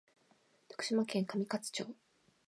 徳島県上勝町